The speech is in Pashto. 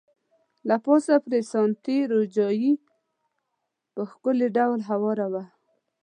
له پاسه پرې ساټني روجايي په ښکلي ډول هواره وه.